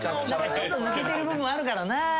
何かちょっと抜けてる部分あるからな。